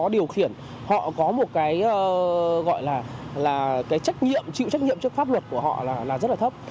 họ có điều khiển họ có một cái gọi là là cái trách nhiệm chịu trách nhiệm trước pháp luật của họ là rất là thấp